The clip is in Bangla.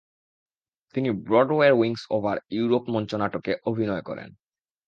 তিনি ব্রডওয়ের উইংস অভার ইউরোপ মঞ্চনাটকে অভিনয় করেন।